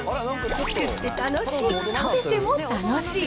作って楽しい、食べても楽しい。